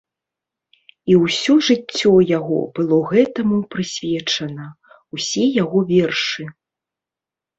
І ўсё жыццё яго было гэтаму прысвечана, усе яго вершы.